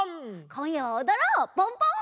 こんやはおどろうポンポン！